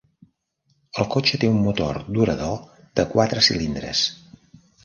El cotxe té un motor durador de quatre cilindres.